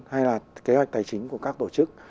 hay là kế hoạch tài chính của các tổ chức